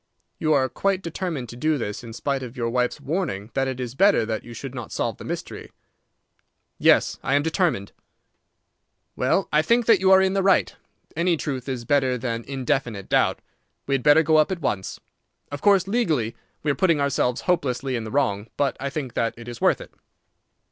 "You are quite determined to do this, in spite of your wife's warning that it is better that you should not solve the mystery?" "Yes, I am determined." "Well, I think that you are in the right. Any truth is better than indefinite doubt. We had better go up at once. Of course, legally, we are putting ourselves hopelessly in the wrong; but I think that it is worth it."